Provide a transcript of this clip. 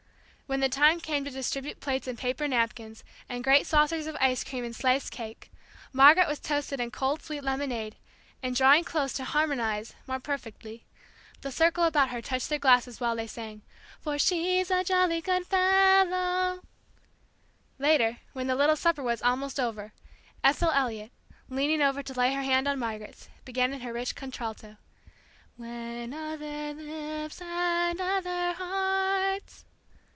When the time came to distribute plates and paper napkins, and great saucers of ice cream and sliced cake, Margaret was toasted in cold sweet lemonade; and drawing close together to "harmonize" more perfectly, the circle about her touched their glasses while they sang, "For she's a jolly good fellow." Later, when the little supper was almost over, Ethel Elliot, leaning over to lay her hand on Margaret's, began in her rich contralto: "When other lips and other hearts..."